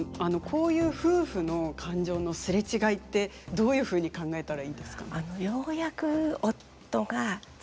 こういう夫婦の感情の擦れ違いってどういうふうに考えたらいいですか。